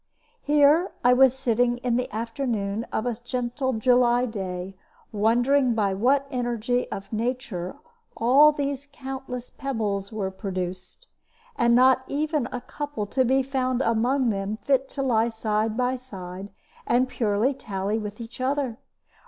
Here I was sitting in the afternoon of a gentle July day, wondering by what energy of nature all these countless pebbles were produced, and not even a couple to be found among them fit to lie side by side and purely tally with each other.